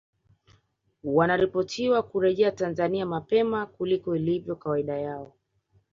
Wanaripotiwa kurejea Tanzania mapema kuliko ilivyo kawaida yao